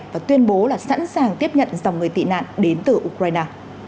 và tuyên bố là sẵn sàng tiếp nhận dòng người tị nạn đến từ ukraine